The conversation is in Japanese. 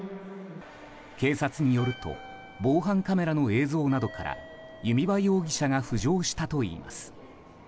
警察によると防犯カメラの映像などから弓場容疑者が浮上したといいます。